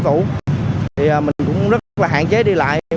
thì mình cũng rất là hạn chế đi lại